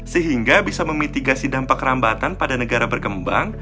sehingga bisa memitigasi dampak rambatan pada negara berkembang